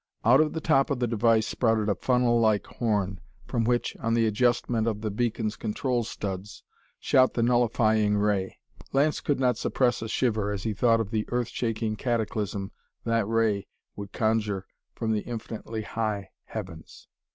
Out of the top of the device sprouted a funnel like horn, from which, on the adjustment of the beacon's control studs, shot the nullifying ray. Lance could not suppress a shiver as he thought of the earth shaking cataclysm that ray would conjure from the infinitely high heavens.